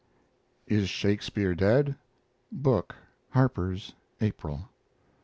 IS SHAKESPEARE DEAD? book (Harpers), April.